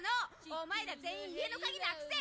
お前ら全員、家の鍵なくせ！